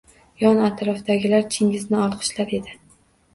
Yon atrofdagilar Chingizni olqishlar edi.